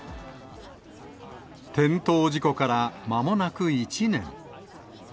転倒事故からまもなく１年。